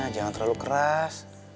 jangan terlalu keras